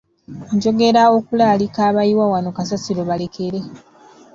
Njogera okulaalika abayiwa wano kasasiro balekere.